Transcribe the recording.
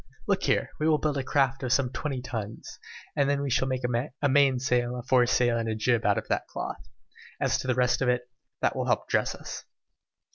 Look here, We will build a craft of some twenty tons, and then we can make a main sail, a fore sail, and a jib out of that cloth. As to the rest of it, that will help to dress us."